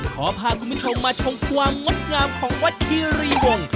ขอพาคุณผู้ชมมาชมความงดงามของวัดคีรีวงศ์